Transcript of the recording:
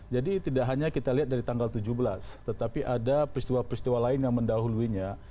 tidak hanya kita lihat dari tanggal tujuh belas tetapi ada peristiwa peristiwa lain yang mendahuluinya